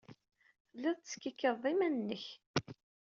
Telliḍ teskikkiḍeḍ iman-nnek.